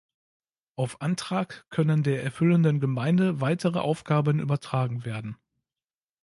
Auf Antrag können der erfüllenden Gemeinde weitere Aufgaben übertragen werden.